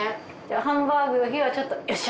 ハンバーグの日はちょっとよっしゃ！